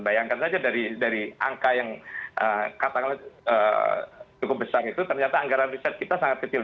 bayangkan saja dari angka yang katakanlah cukup besar itu ternyata anggaran riset kita sangat kecil